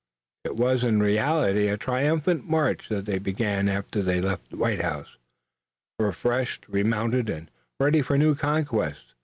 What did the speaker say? It was in reality a triumphant march that they began after they left White House, refreshed, remounted and ready for new conquests.